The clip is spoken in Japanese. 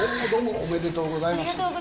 ありがとうございます。